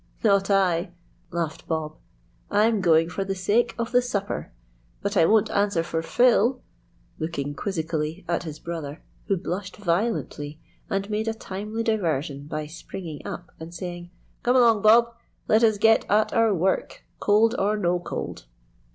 "Not I," laughed Bob. "I'm going for the sake of the supper; but I won't answer for Phil," looking quizzically at his brother, who blushed violently and made a timely diversion by springing up and saying,— "Come along, Bob; let us get at our work, cold or no cold."